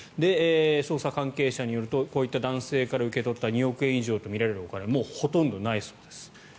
捜査関係者によるとこういった男性から受け取った２億円以上とみられるお金はもうほとんどないそうです。